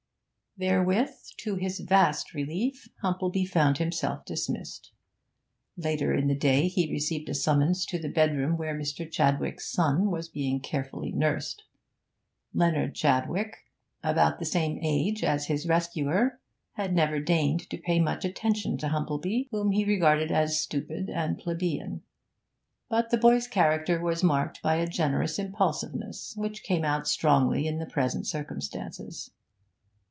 Therewith, to his vast relief, Humplebee found himself dismissed. Later in the day he received a summons to the bedroom where Mr. Chadwick's son was being carefully nursed. Leonard Chadwick, about the same age as his rescuer, had never deigned to pay much attention to Humplebee, whom he regarded as stupid and plebeian; but the boy's character was marked by a generous impulsiveness, which came out strongly in the present circumstances.